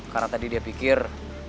karena tadi dia pikir